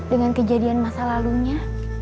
dengan kejadian masa lalunya